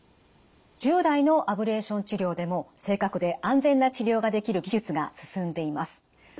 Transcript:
従来のアブレーション治療でも正確で安全な治療ができる技術が進んでいます。